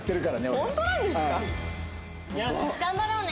頑張ろうね！